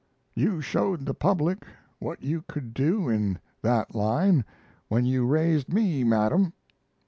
You showed the public what you could do in that line when you raised me, Madam.